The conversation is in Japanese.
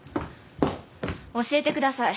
教えてください。